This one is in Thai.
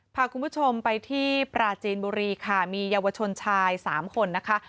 พาคุณผู้ชมไปที่ปราจีนบุรีค่ะมีเยาวชนชายสามคนนะคะ